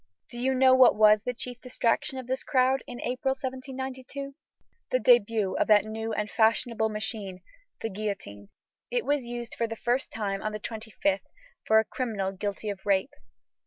Do you know what was the chief distraction of this crowd in April, 1792? The debut of that new and fashionable machine, the guillotine. It was used for the first time on the 25th, for a criminal guilty of rape.